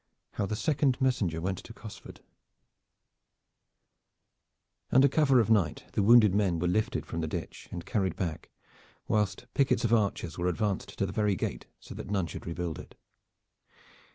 HOW THE SECOND MESSENGER WENT TO COSFORD Under cover of night the wounded men were lifted from the ditch and carried back, whilst pickets of archers were advanced to the very gate so that none should rebuild it.